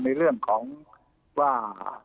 ในเรื่องของว่า